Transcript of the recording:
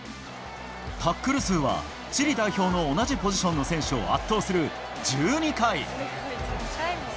タックル数は、チリ代表の同じポジションの選手を圧倒する１２回。